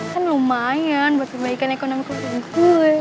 kan lumayan buat perbaikan ekonomi kelompok gue